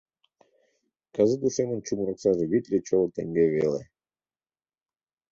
Кызыт ушемын чумыр оксаже витле чоло теҥге веле.